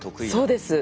そうです。